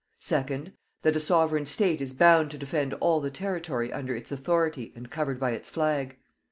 Second: That a Sovereign State is bound to defend all the territory under its authority and covered by its flag.